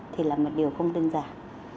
thì là một điều không đơn giản